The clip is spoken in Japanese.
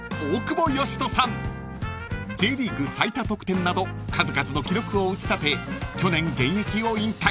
［Ｊリーグ最多得点など数々の記録を打ち立て去年現役を引退］